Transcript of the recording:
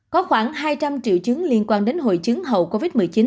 có khoảng hai trăm linh triệu chứng liên quan đến hội chứng hậu covid một mươi chín